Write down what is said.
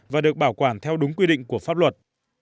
và được bảo quản theo đúng quy định của pháp luật